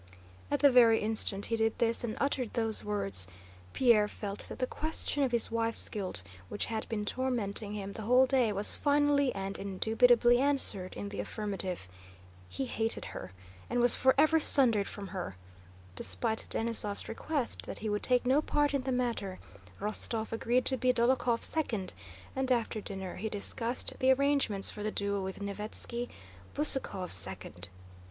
At the very instant he did this and uttered those words, Pierre felt that the question of his wife's guilt which had been tormenting him the whole day was finally and indubitably answered in the affirmative. He hated her and was forever sundered from her. Despite Denísov's request that he would take no part in the matter, Rostóv agreed to be Dólokhov's second, and after dinner he discussed the arrangements for the duel with Nesvítski, Bezúkhov's second.